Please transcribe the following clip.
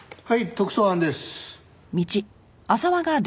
はい。